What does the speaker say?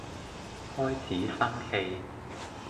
開始生氣